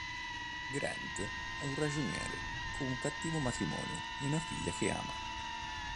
Grant è un ragioniere con un cattivo matrimonio e una figlia che ama.